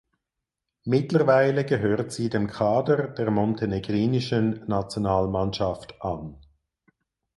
Mittlerweile gehört sie dem Kader der montenegrinischen Nationalmannschaft an.